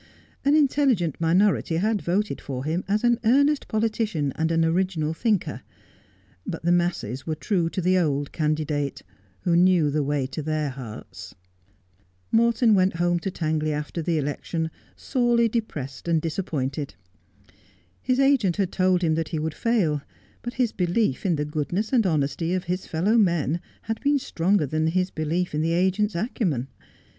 An intelligent minority had voted for him as an earnest politician and an original thinker ; but the masses were true to the old candidate, who knew the way to their hearts. Morton went home to Tangley after the election, sorely depressed and disappointed. His agent had told him that he would fail ; but his belief in the goodness and honesty of his fellow men had been stronger than his belief in the agent's acumen.